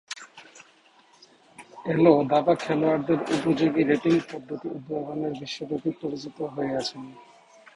এলো দাবা খেলোয়াড়দের উপযোগী রেটিং পদ্ধতি উদ্ভাবনের বিশ্বব্যাপী পরিচিত হয়ে আছেন।